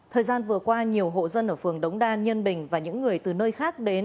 thời gian vừa qua nhiều hộ dân ở phường đống đa nhân bình và những người từ nơi khác đến